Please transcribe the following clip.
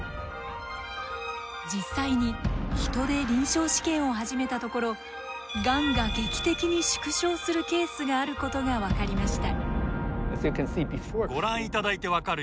実際に人で臨床試験を始めたところがんが劇的に縮小するケースがあることが分かりました。